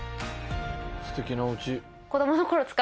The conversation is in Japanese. すてきなおうち。